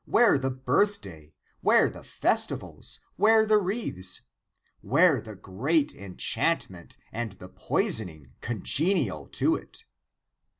Where the birthday? Where the festivals ? Where the wreaths ? Where the great enchantment and the poisoning congenial to it